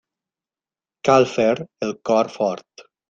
Cal fer el cor fort.